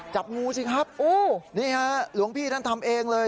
จับงูสิครับนี่ฮะหลวงพี่ท่านทำเองเลย